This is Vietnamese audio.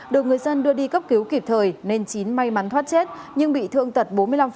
được người dân đưa đi cấp cứu kịp thời nên chín may mắn thoát chết nhưng bị thương tật bốn mươi năm